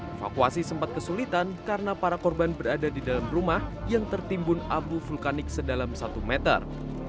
evakuasi sempat kesulitan karena para korban berada di dalam rumah yang tertimbun abu vulkanik sedalam satu meter